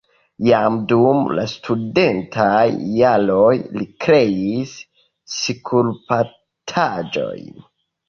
Jam dum la studentaj jaroj li kreis skulptaĵojn.